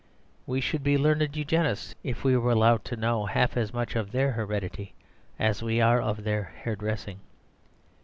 We should be learned Eugenists if we were allowed to know half as much of their heredity as we are of their hairdressing.